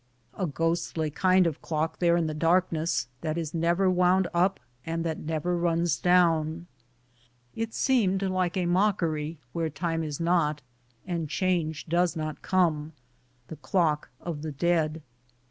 A ghostly kind of clock there in the darkness, that is never wound up and that never runs down. It seemed like a mockery where time is not, and change does not come — the clock of the dead.